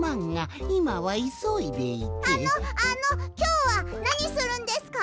あのあのきょうはなにするんですか？